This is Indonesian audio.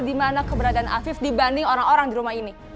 di mana keberadaan afif dibanding orang orang di rumah ini